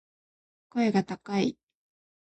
声が高い